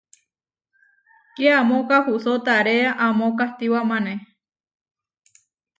Kiamó kahusó taréa amó kahtiwámane.